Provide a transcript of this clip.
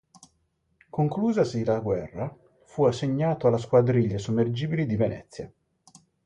Conclusasi la guerra, fu assegnato alla Squadriglia Sommergibili di Venezia.